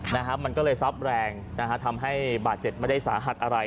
นะฮะมันก็เลยซับแรงนะฮะทำให้บาดเจ็บไม่ได้สาหัสอะไร